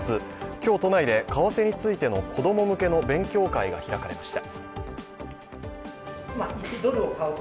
今日、都内で為替についての子供向けの勉強会が開かれました。